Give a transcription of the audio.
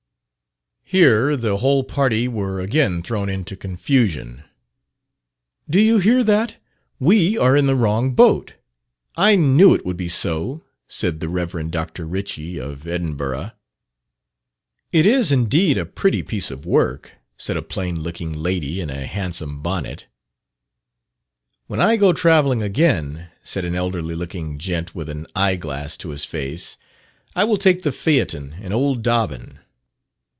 Here the whole party were again thrown into confusion. "Do you hear that? We are in the wrong boat." "I knew it would be so," said the Rev. Dr. Ritchie, of Edinburgh. "It is indeed a pretty piece of work," said a plain looking lady in a handsome bonnet. "When I go travelling again," said an elderly looking gent with an eye glass to his face, "I will take the phaeton and old Dobbin."